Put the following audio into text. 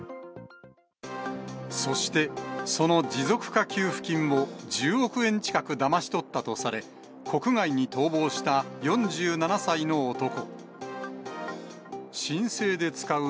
そして、その持続化給付金を、１０億円近くだまし取ったとされ、国外に逃亡した４７歳の男。